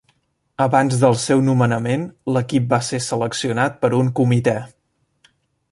Abans del seu nomenament l'equip va ser seleccionat per un comitè.